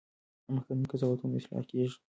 مخکني قضاوتونه اصلاح کیږي.